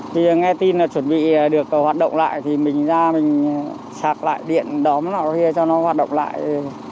thì nghe tin là chuẩn bị được hoạt động lại thì mình ra mình sạc lại điện đóm nào đó kia cho nó hoạt động lại